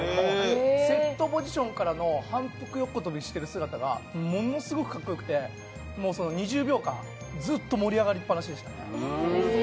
セットポジションからの反復横跳びしている姿が、ものすごくかっこよくて、２０秒間ずっと盛り上がりっ放しでした。